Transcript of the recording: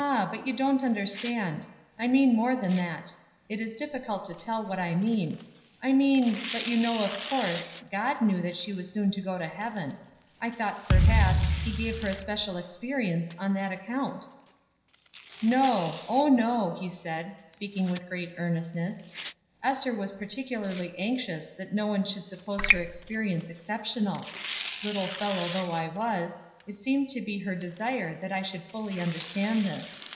but you don't understand; I mean more than that. It is difficult to tell what I mean; I mean but you know, of course, God knew that she was soon to go to heaven. I thought, perhaps, he gave her a special experience on that account." "No; oh, no," he said, speaking with great earnestness. "Ester was particularly anxious that no one should suppose her experience exceptional. Little fellow though I was, it seemed to be her desire that I should fully understand this.